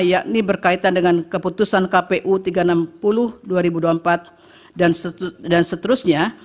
yakni berkaitan dengan keputusan kpu tiga ratus enam puluh dua ribu dua puluh empat dan seterusnya